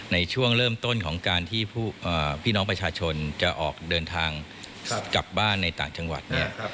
ในช่วงเริ่มต้นของการที่พี่น้องประชาชนจะออกเดินทางกลับบ้านในต่างจังหวัดเนี่ย